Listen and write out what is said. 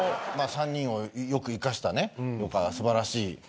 ３人をよく生かしたね素晴らしい。